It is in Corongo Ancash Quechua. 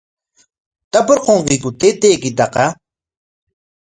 ¿Tapurqankiku taytaykitaqa?